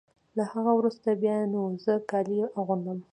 له هغه وروسته بیا نو زه کالي اغوندم.